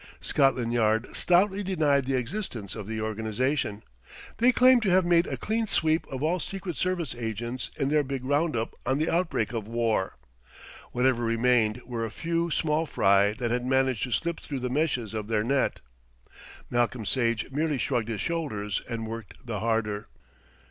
Scotland Yard stoutly denied the existence of the organisation. They claimed to have made a clean sweep of all secret service agents in their big round up on the outbreak of war. Whatever remained were a few small fry that had managed to slip through the meshes of their net. Malcolm Sage merely shrugged his shoulders and worked the harder.